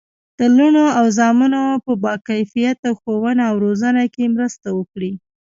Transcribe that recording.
د لوڼو او زامنو په باکیفیته ښوونه او روزنه کې مرسته وکړي.